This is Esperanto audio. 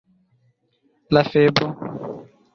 La febro?